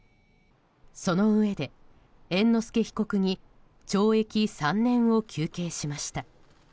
そのうえで猿之助被告に懲役３０年を求刑しました。